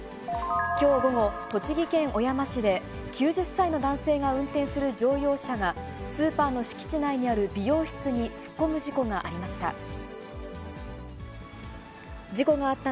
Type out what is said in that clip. きょう午後、栃木県小山市で、９０歳の男性が運転する乗用車が、スーパーの敷地内にある美容室に突っ込む事故がありました。